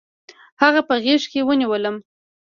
هغه په غېږ کې ونیولم.